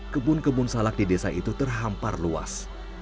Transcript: kebun kebun salak di desa itu terhampar luas